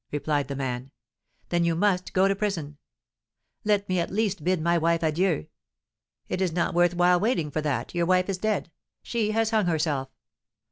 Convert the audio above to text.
replied the man. "Then you must go to prison." "Let me at least bid my wife adieu!" "It is not worth while waiting for that, your wife is dead! She has hung herself!"'